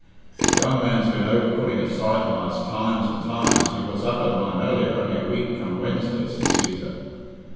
"The young man's been over putting a sight on us times and times he was up at my Melliah only a week come Wednesday," said Cæsar.